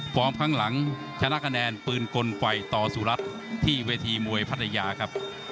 ข้างหลังชนะคะแนนปืนกลไฟต่อสุรัตน์ที่เวทีมวยพัทยาครับ